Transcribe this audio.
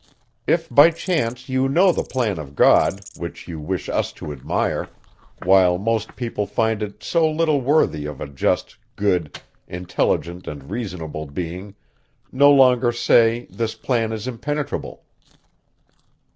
If, by chance, you know the plan of God, which you wish us to admire, while most people find it so little worthy of a just, good, intelligent, and reasonable being, no longer say, this plan is impenetrable.